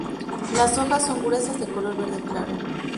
Las hojas son gruesas, de color verde claro.